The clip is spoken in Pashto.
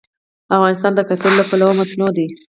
افغانستان د کلتور له پلوه متنوع دی.